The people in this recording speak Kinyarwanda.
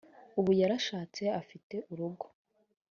ubu yarashatse afite urugo